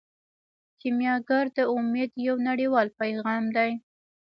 کیمیاګر د امید یو نړیوال پیغام دی.